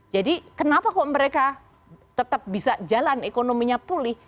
jadi kenapa kok mereka tetap bisa jalan ekonominya pulih